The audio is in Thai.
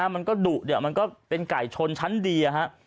มันก็ดุมันก็เป็นไก่ชนชั้นดี